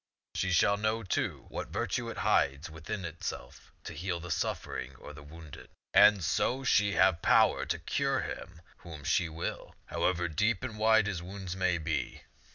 She shall know, too, what virtue it hides within itself to heal the suffering or the wounded. 1 68 Z^^ ^C{\iW$ 'tah and so shall she have power to cure him whom she will, however deep and wide his wounds may be.